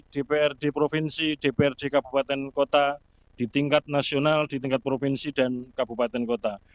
dprd provinsi dprd kabupaten kota di tingkat nasional di tingkat provinsi dan kabupaten kota